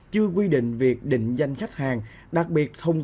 chưa quy định việc định danh khách hàng đặc biệt thông tư một hai nghìn hai mươi